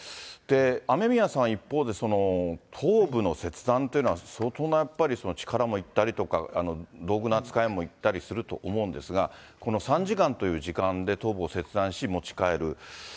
雨宮さん、一方で、頭部の切断というのは、相当なやっぱり力もいったりとか、どうぐのあつかいもいったりするとおもうんですが、この３時間という時間で頭部を切断し持ち帰る。